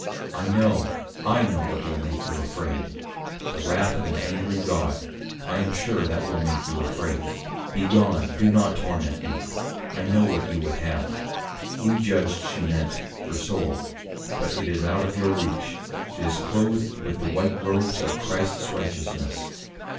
I know, I know what will make you afraid; the wrath of an Angry God, I am sure that will make you afraid; be gone, do not torment me, I know what you would have_ (we judged she meant, her Soul) _but it is out of your reach; it is cloathed with the white Robes of Christ's Righteousness.